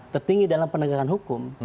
tertinggi dalam penegakan hukum